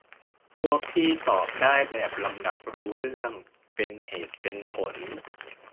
พวกที่ตอบได้แบบลำดับรู้เรื่อง เป็นเหตุเป็นผล